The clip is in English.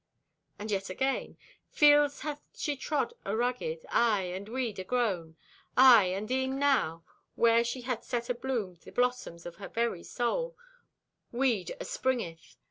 And yet again: "Fields hath she trod arugged, aye, and weed agrown. Aye, and e'en now, where she hath set abloom the blossoms o' her very soul, weed aspringeth.